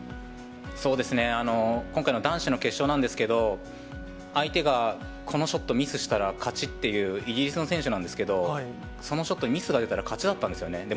そうですね、今回の男子の決勝なんですけど、相手がこのショットミスしたら勝ちっていう、イギリスの選手なんですけど、そのショットにミスが出たら勝ちだったんですよね。